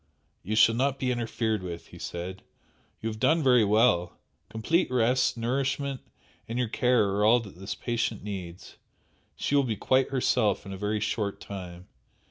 "You shall not be interfered with," he said "You have done very well! Complete rest, nourishment and your care are all that this patient needs. She will be quite herself in a very short time.